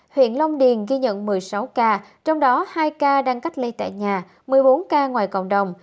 huyện long điền ghi nhận một mươi sáu ca trong đó hai ca đang cách ly tại nhà một mươi bốn ca ngoài cộng đồng